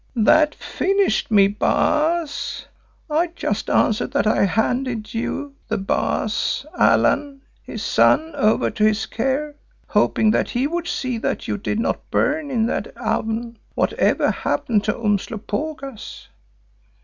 "That finished me, Baas. I just answered that I handed you, the Baas Allan his son, over to his care, hoping that he would see that you did not burn in that oven, whatever happened to Umslopogaas.